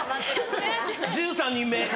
１３人目。